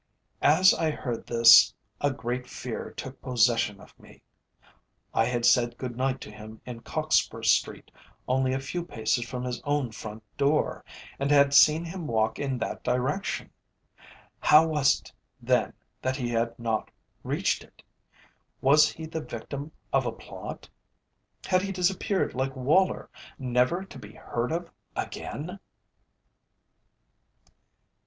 As I heard this a great fear took possession of me. I had said good night to him in Cockspur Street, only a few paces from his own front door, and had seen him walk in that direction. How was it, then, that he had not reached it? Was he the victim of a plot? Had he disappeared like Woller, never to be heard of again?